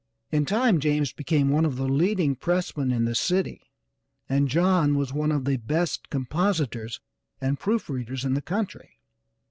In time James became one of the leading pressmen in the city, and John was one of the best compositors and proof readers in the country.